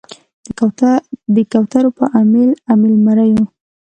د کوترو په امیل، امیل مریو